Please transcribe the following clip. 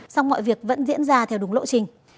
song mọi việc vẫn diễn ra theo đúng lộ trình